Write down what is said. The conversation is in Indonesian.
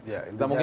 ya itu mungkin